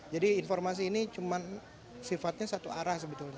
jadi informasi ini cuman sifatnya satu arah sebetulnya